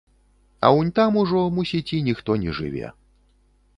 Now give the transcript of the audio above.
А унь там ужо, мусіць, і ніхто не жыве.